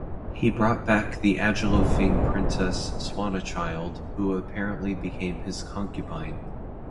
He brought back the Agilolfing princess Swanachild, who apparently became his concubine.